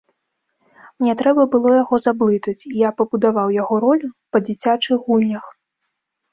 Мне трэба было яго заблытаць, і я пабудаваў яго ролю па дзіцячых гульнях.